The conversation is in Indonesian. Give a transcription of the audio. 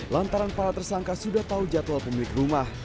lantaran para tersangka sudah tahu jadwal pemilik rumah